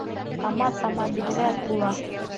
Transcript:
Тама-тама биҙрә тула.